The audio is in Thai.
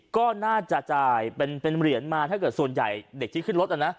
ก็น่าจะจ่ายเป็นเหรียญมาถ้าเกิดส่วนใหญ่เด็กที่ขึ้นรถนะ